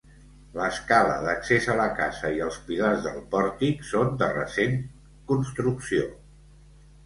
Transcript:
L'escala d'accés a la casa i els pilars del pòrtic són de recent construcció.